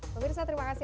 pemirsa terima kasih